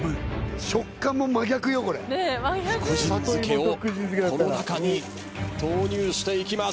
福神漬けをこの中に投入していきます。